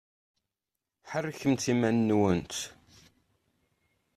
Ḥerrkemt iman-nwent!